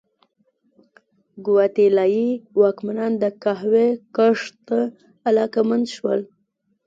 ګواتیلايي واکمنان د قهوې کښت ته علاقمند شول.